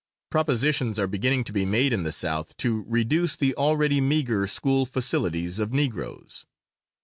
"Propositions are beginning to be made in the South to reduce the already meagre school facilities of Negroes.